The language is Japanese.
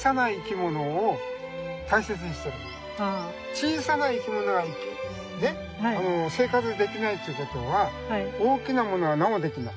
小さな生き物が生活できないということは大きなものはなおできない。